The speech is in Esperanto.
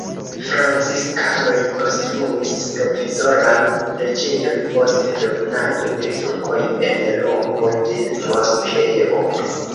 Franciskanoj konstruis provizoran preĝejon post dominado de turkoj en loko de moskeo.